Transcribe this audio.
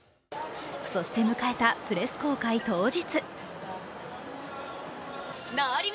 そして迎えたプレス公開当日。